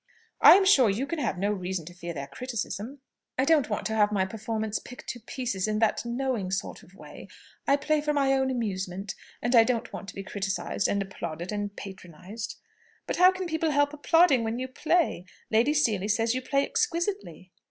"I am sure you can have no reason to fear their criticism." "I don't want to have my performance picked to pieces in that knowing sort of way. I play for my own amusement, and I don't want to be criticised, and applauded, and patronised." "But how can people help applauding when you play? Lady Seely says you play exquisitely."